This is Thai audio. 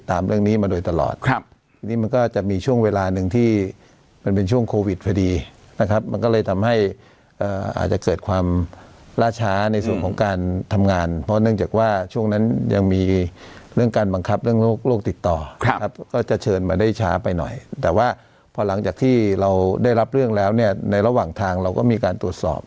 ตามเรื่องนี้มาโดยตลอดครับนี่มันก็จะมีช่วงเวลาหนึ่งที่มันเป็นช่วงโควิดพอดีนะครับมันก็เลยทำให้อาจจะเกิดความล่าช้าในส่วนของการทำงานเพราะเนื่องจากว่าช่วงนั้นยังมีเรื่องการบังคับเรื่องโรคติดต่อครับก็จะเชิญมาได้ช้าไปหน่อยแต่ว่าพอหลังจากที่เราได้รับเรื่องแล้วเนี่ยในระหว่างทางเราก็มีการตรวจสอบ